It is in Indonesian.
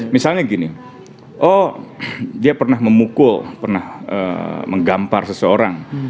misalnya gini oh dia pernah memukul pernah menggampar seseorang